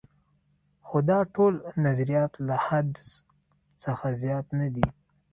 خو دا ټول نظریات له حدس څخه زیات نه دي.